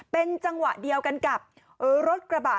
เป็นจังหวะเดียวกันกับรถกระบะ